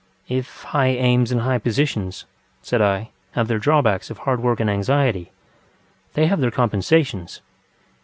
ŌĆ£If high aims and high positions, ŌĆØ said I, ŌĆ£have their drawbacks of hard work and anxiety, they have their compensations.